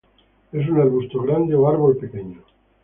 Es un arbusto grande o árbol pequeño.